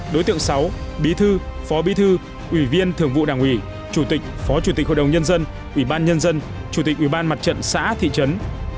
đối tượng sáu bí thư phó bí thư ủy viên thường vụ đảng ủy chủ tịch phó chủ tịch hội đồng nhân dân ủy ban nhân dân chủ tịch ủy ban mặt trận xã thị trấn